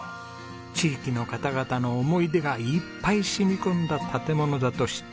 地域の方の思い出がいっぱい染み込んだ建物だと知った２人。